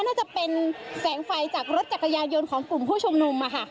น่าจะเป็นแสงไฟจากรถจักรยายนต์ของกลุ่มผู้ชุมนุม